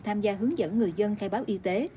tham gia hướng dẫn người dân khai báo y tế